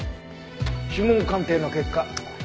指紋鑑定の結果